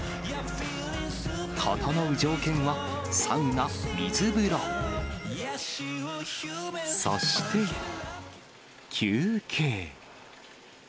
ととのう条件はサウナ、水風呂、そして、休憩。